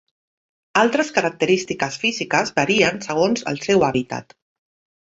Altres característiques físiques varien segons el seu hàbitat.